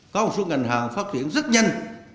có một số ngành hàng phát triển rất nhanh